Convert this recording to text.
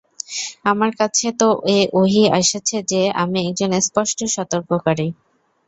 আমার কাছে তো এ ওহী এসেছে যে, আমি একজন স্পষ্ট সতর্ককারী।